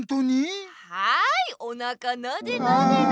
はいおなかなでなでなで。